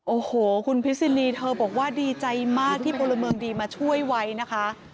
โอ้โหคุณพิษินีเธอบอกว่าดีใจมากที่พลเมืองดีมาช่วยไว้นะคะ